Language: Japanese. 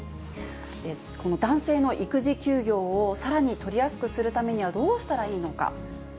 この男性の育児休業をさらに取りやすくするためにはどうしたらいいのか。